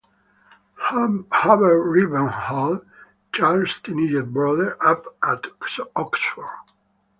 Hubert Rivenhall - Charles' teenage brother, up at Oxford.